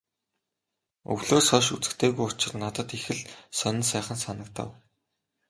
Өвлөөс хойш үзэгдээгүй учир надад их л сонин сайхан санагдав.